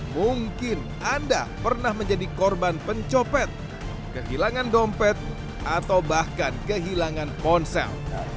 mungkin anda pernah menjadi korban pencopet kehilangan dompet atau bahkan kehilangan ponsel